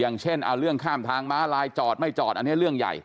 อย่างเช่นเรื่องข้ามทางม้าลายจอดไม่จอดอันนี้เรื่องใหญ่